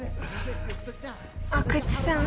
阿久津さん。